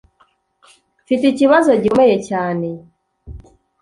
Mfite ikibazo gikomeye cyane.